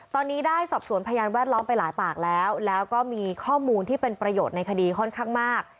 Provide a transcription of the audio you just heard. ตอนนี้ได้สอบสวนพยานแวดล้อมไปหลายปากแล้วแล้วก็มีข้อมูลที่เป็นประโยชน์ในคดีค่อนข้างมาก